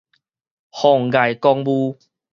妨礙公務